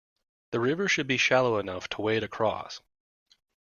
The river should be shallow enough to wade across.